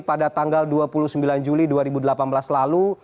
pada tanggal dua puluh sembilan juli dua ribu delapan belas lalu